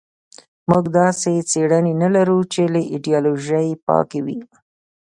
موږ داسې څېړنې نه لرو چې له ایدیالوژۍ پاکې وي.